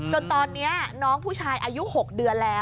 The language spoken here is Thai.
จนตอนนี้น้องผู้ชายอายุ๖เดือนแล้ว